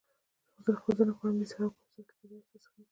خو زه نه غواړم ډېر څښاک وکړم، ستا لپاره یو څه څښم.